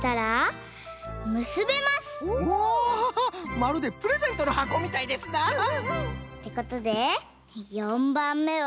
まるでプレゼントのはこみたいですな！ってことで４ばんめは。